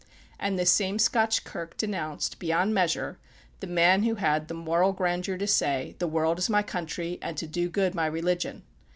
And this same Scotch Kirk denounced, beyond measure, the man who had the moral grandeur to say, "The world is my country, and to do good my religion."